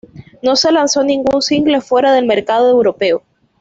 No se lanzó ningún single fuera del mercado europeo.